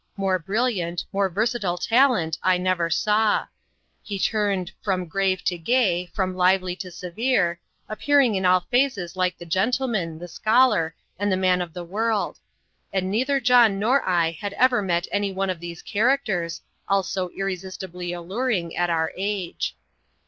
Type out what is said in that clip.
More brilliant, more versatile talent I never saw. He turned "from grave to gay, from lively to severe" appearing in all phases like the gentleman, the scholar, and the man of the world. And neither John nor I had ever met any one of these characters, all so irresistibly alluring at our age.